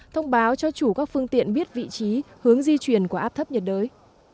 thông báo cho chủ các phương tiện biết vị trí hướng di chuyển của áp thấp nhiệt đới